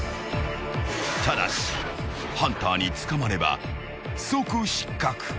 ［ただしハンターに捕まれば即失格］